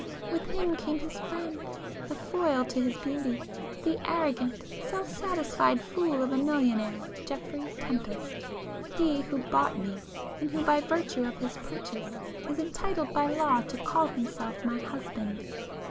With him came his friend, the foil to his beauty,—the arrogant, self satisfied fool of a millionaire, Geoffrey Tempest,—he who bought me, and who by virtue of his purchase, is entitled by law to call himself my husband